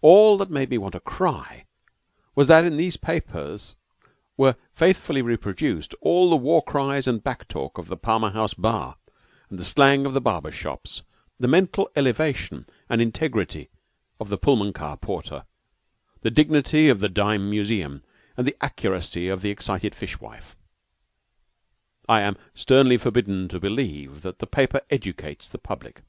All that made me want to cry was that in these papers were faithfully reproduced all the war cries and "back talk" of the Palmer House bar, the slang of the barber shops, the mental elevation and integrity of the Pullman car porter, the dignity of the dime museum, and the accuracy of the excited fish wife. I am sternly forbidden to believe that the paper educates the public.